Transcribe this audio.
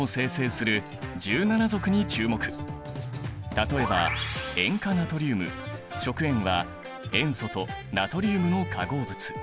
例えば塩化ナトリウム食塩は塩素とナトリウムの化合物。